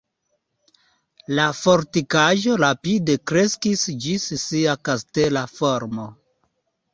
La fortikaĵo rapide kreskis ĝis sia kastela formo.